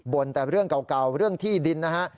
แต่เรื่องเก่าเรื่องที่ดินนะฮะ